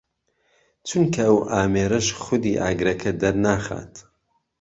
چونکە ئەو ئامێرەش خودی ئاگرەکە دەرناخات